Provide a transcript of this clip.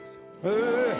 へえ。